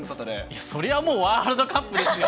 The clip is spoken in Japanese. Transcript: それはもうワールドカップですよ。